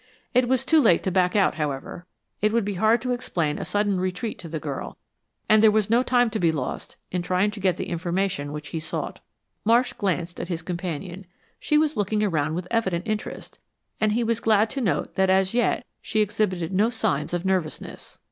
It was too late to back out, however. It would be hard to explain a sudden retreat to the girl, and there was no time to be lost in trying to get the information which he sought. Marsh glanced at his companion. She was looking around with evident interest, and he was glad to note that as yet she exhibited no signs of nervousness.